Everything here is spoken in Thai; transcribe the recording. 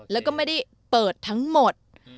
แล้วก็ไม่ได้เปิดทั้งหมด